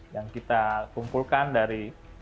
yang kita kumpulkan dari